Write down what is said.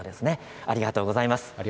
ありがとうございます。